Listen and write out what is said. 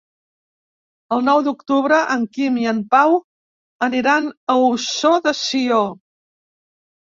El nou d'octubre en Quim i en Pau aniran a Ossó de Sió.